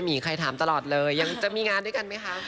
หมีใครถามตลอดเลยยังจะมีงานด้วยกันไหมคะ